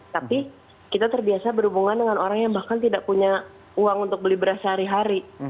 tapi kita terbiasa berhubungan dengan orang yang bahkan tidak punya uang untuk beli beras sehari hari